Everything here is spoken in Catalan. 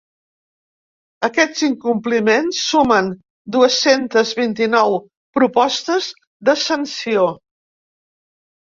Aquests incompliments sumen dues-centes vint-i-nou propostes de sanció.